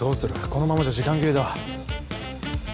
このままじゃ時間切れだ